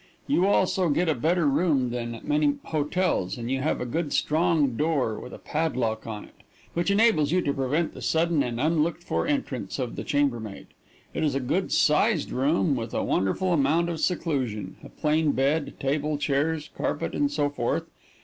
You also get a better room than at many hotels, and you have a good strong door, with a padlock on it, which enables you to prevent the sudden and unlooked for entrance of the chambermaid. It is a good sized room, with a wonderful amount of seclusion, a plain bed, table, chairs, carpet and so forth.